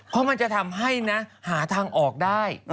เพราะมันจะทำให้นะหาทางออกได้